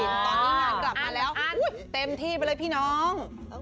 ตอนนี้งานกลับมาแล้วเต็มที่ไปเลยพี่น้อง